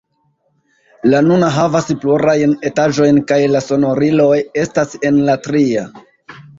La nuna havas plurajn etaĝojn kaj la sonoriloj estas en la tria.